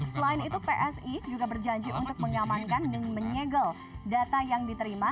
selain itu psi juga berjanji untuk mengamankan dan menyegel data yang diterima